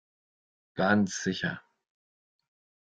Ganz sicher.